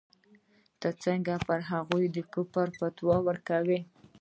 ته څنگه پر هغوى د کفر فتوا کوې.